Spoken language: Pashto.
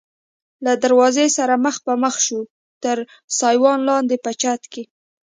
له دروازې سره مخ په مخ شوو، تر سایوان لاندې په چټک کې.